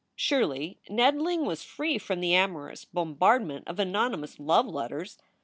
Surely Ned Ling was free from the amorous bombardment of anonymous love letters.